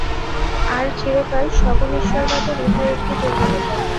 আর চিরকাল সগুণ-ঈশ্বরবাদের ইহাই একটি দুর্বলতা।